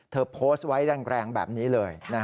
โพสต์ไว้แรงแบบนี้เลย